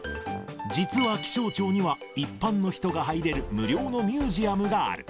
実は気象庁には一般の人が入れる無料のミュージアムがある。